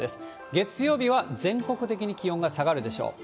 月曜日は、全国的に気温が下がるでしょう。